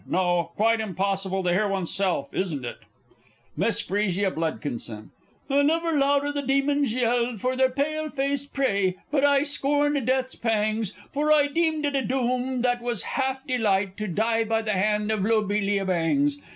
No. Quite impossible to hear one's self speak, isn't it? MISS F. B. And ever louder the demons yelled for their pale faced prey but I scorned death's pangs, For I deemed it a doom that was half delight to die by the hand of Lobelia Bangs!